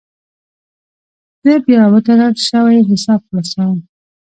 زه بیا وتړل شوی حساب خلاصوم.